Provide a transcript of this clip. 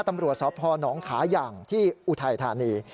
ตำรวจสอบพ่อน้องขายังที่อุทัยธานี